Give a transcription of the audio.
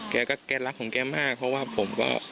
แกก็แกรักของแกมากเพราะว่าผมก็